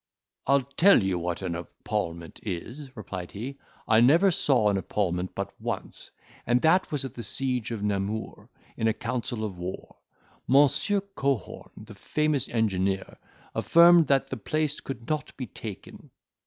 "I'll tell you what an epaulement is," replied he, "I never saw an epaulement but once, and that was at the siege of Namur. In a council of war, Monsieur Cohorn, the famous engineer, affirmed that the place could not be taken."